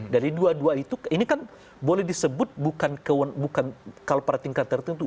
dari dua dua itu ini kan boleh disebut bukan kalau pada tingkat tertentu